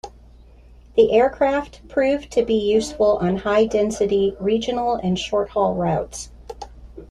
The aircraft proved to be useful on "high density" regional and short-haul routes.